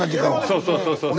そうそうそうそうそう。